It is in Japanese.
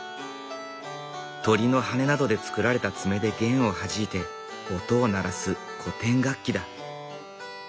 鳥の羽根などで作られた爪で弦をはじいて音を鳴らす古典楽器だ。